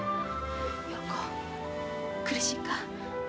陽子苦しいか？